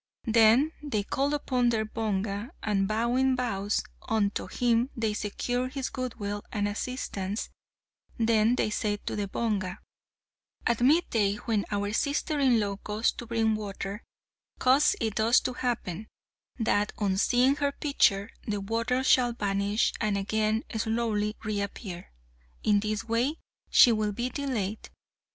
They then called upon their Bonga, and vowing vows unto him they secured his good will and assistance; then they said to the Bonga, "At midday when our sister in law goes to bring water, cause it thus to happen, that on seeing her pitcher the water shall vanish, and again slowly re appear. In this way she will be delayed.